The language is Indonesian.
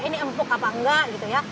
ini empuk apa enggak gitu ya